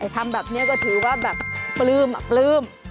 ทำแบบนี้ก็ถือว่าแบบปลื้มปลื้ม